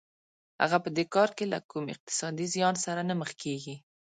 هغه په دې کار کې له کوم اقتصادي زیان سره نه مخ کېږي